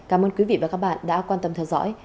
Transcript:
cảm ơn quý vị và các bạn đã quan tâm theo dõi